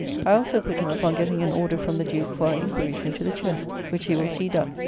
I also put him upon getting an order from the Duke for our inquiries into the Chest, which he will see done.